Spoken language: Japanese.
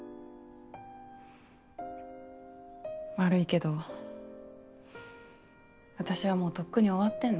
悪いけど私はもうとっくに終わってんの。